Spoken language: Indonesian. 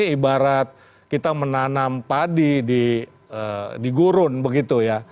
ibarat kita menanam padi di gurun begitu ya